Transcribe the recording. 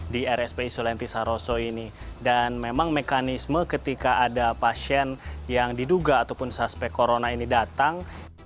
di rspi sulianti saroso ini dan memang mekanisme ketika ada pasien yang diduga ataupun suspek corona ini datang